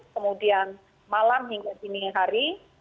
kemudian malam hingga dini hari